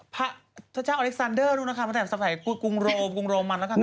พระเจ้าอเล็กซานเดอร์ด้วยนะคะตั้งแต่สมัยกรุงโรกรุงโรมันแล้วกัน